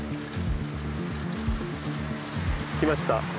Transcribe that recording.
着きました。